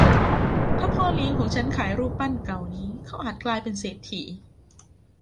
ถ้าพ่อเลี้ยงของฉันขายรูปปั้นเก่านี้เขาอาจกลายเป็นเศรษฐี